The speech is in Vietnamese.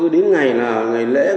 đến ngày là ngày lễ